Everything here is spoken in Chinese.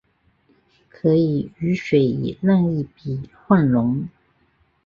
可以与水以任意比混溶。